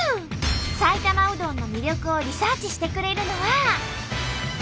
埼玉うどんの魅力をリサーチしてくれるのは。